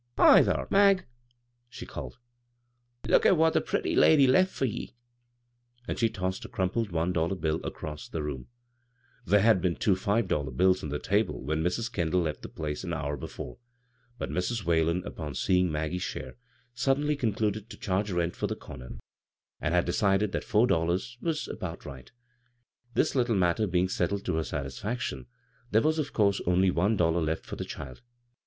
" Hi, thar, Mag," she called. " Look at what the pretty lady left for ye 1 " And she tossed a crumpled one^ollar bill across the b, Google CROSS CURRENTS room. (There had been two five dollar bills on the table when Mrs. Kendall left the place an hour before ; but Mrs. Whalen, upon see ing Maggie's share, suddenly concluded to charge rent (or the comer, and had decided that four dollars was "about right" This litde matter being settled to her satisfaction, there was, of course, only one dollar left for the child.)